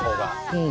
うん。